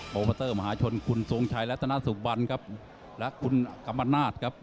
โปรเมอเตอร์มหาชนคุณสวงชายและตนาสุบันครับและคุณกำมานาศครับ